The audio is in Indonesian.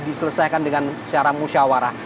diselesaikan dengan secara musyawarah